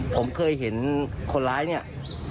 ผมเคยเห็นคนร้ายเนี่ย